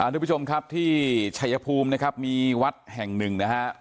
ทุกผู้ชมครับที่ชัยภูมินะครับมีวัดแห่งหนึ่งนะฮะ